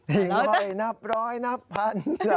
หิ่งห้อยนับรอยนับพัน